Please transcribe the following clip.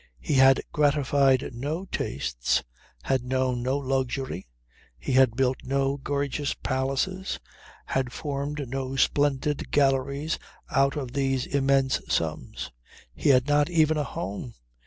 He had gratified no tastes, had known no luxury; he had built no gorgeous palaces, had formed no splendid galleries out of these "immense sums." He had not even a home.